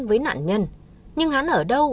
với nạn nhân nhưng hắn ở đâu